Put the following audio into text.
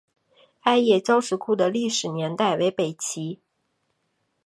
艾叶交石窟的历史年代为北齐。